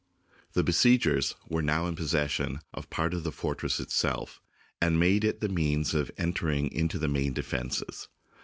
The besiegers were now in possession of part of the fortress itself, and made it the means of enter ing into the main defences.